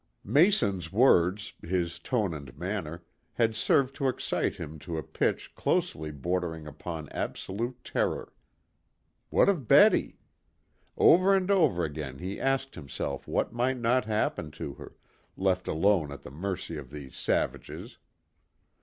Mason's words, his tone and manner, had served to excite him to a pitch closely bordering upon absolute terror. What of Betty? Over and over again he asked himself what might not happen to her, left alone at the mercy of these savages?